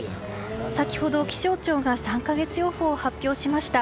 先ほど、気象庁が３か月予報を発表しました。